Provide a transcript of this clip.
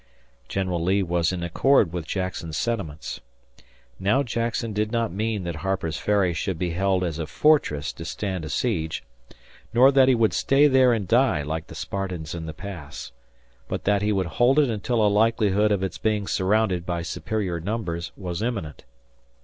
General Lee was in accord with Jackson's sentiments. Now Jackson did not mean that Harper's Ferry should be held as a fortress to stand a siege; nor that he would stay there and die like the Spartans in the Pass, but that he would hold it until a likelihood of its being surrounded by superior numbers was imminent.